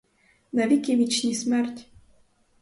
На віки вічні смерть!